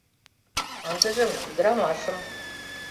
Ындыжым — ӱдырамашым.